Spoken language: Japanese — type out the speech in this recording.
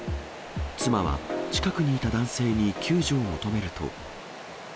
妻は近くにいた男性に救助を求めると。